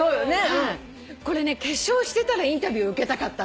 これね化粧してたらインタビュー受けたかったんだよね。